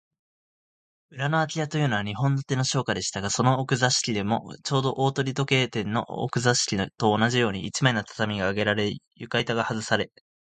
裏のあき家というのは、日本建ての商家でしたが、その奥座敷でも、ちょうど大鳥時計店の奥座敷と同じように、一枚の畳があげられ、床板がはずされ、